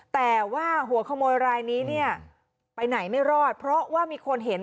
แต่ว่าหัวขโมยรายนี้เนี่ยไปไหนไม่รอดเพราะว่ามีคนเห็น